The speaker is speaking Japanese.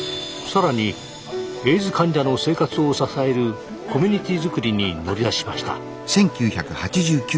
さらにエイズ患者の生活を支えるコミュニティーづくりに乗り出しました。